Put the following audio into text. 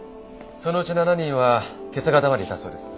そのうち７人は今朝方までいたそうです。